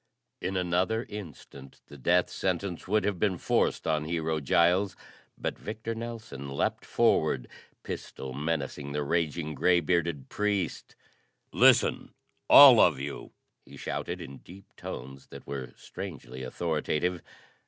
In another instant the death sentence would have been forced on Hero Giles, but Victor Nelson leaped forward, pistol menacing the raging gray bearded priest. "Listen, all of you!" he shouted in deep tones that were strangely authoritative.